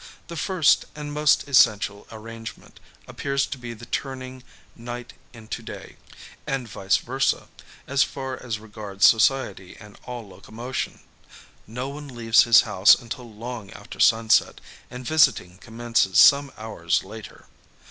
The first and most essential arrangement appears to be the turning night into day, and vice versâ, as far as regards society and all locomotion. No one leaves his house until long after sunset, and visiting commences some hours later.